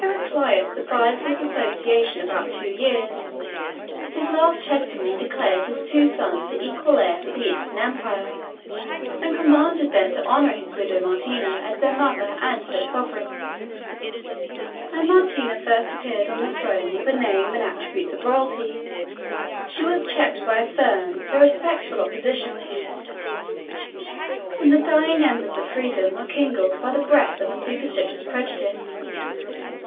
Heraclius survived this association about two years: his last testimony declared his two sons the equal heirs of the Eastern empire, and commanded them to honor his widow Martina as their mother and their sovereign. When Martina first appeared on the throne with the name and attributes of royalty, she was checked by a firm, though respectful, opposition; and the dying embers of freedom were kindled by the breath of superstitious prejudice.